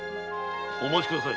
お待ちください。